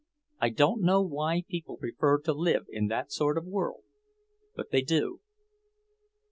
I don't know why people prefer to live in that sort of a world, but they do."